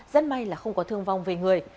rất may là không có thương vong về người